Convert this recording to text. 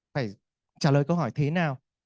phải trả lời câu hỏi thế nào